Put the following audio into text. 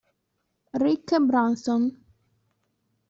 Rick Brunson